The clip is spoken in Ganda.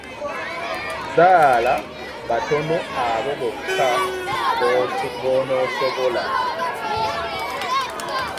Zaala batono abo bokka b'onosobola.